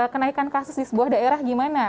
kenaikan kasus di sebuah daerah gimana